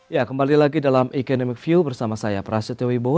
ya kembali lagi dalam economic view bersama saya prasetyo wibowo